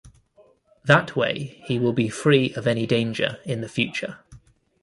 That way he will be free of any danger in the future.